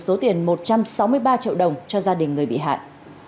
số tiền một trăm sáu mươi ba triệu đồng cho gia đình người bị hại